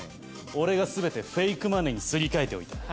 俺がすべてフェイクマネーにすり替えておいた。